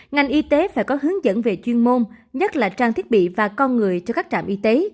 ngành y tế phải có hướng dẫn về chuyên môn nhất là trang thiết bị và con người cho các trạm y tế